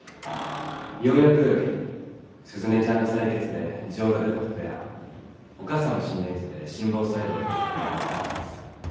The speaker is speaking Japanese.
ようやく鈴音ちゃんの採血で異常が出たことやお母さんの心電図で心房細動が出た原因が分かったんです。